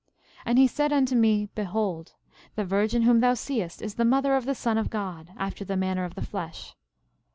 11:18 And he said unto me: Behold, the virgin whom thou seest is the mother of the Son of God, after the manner of the flesh.